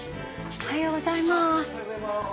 おはようございます。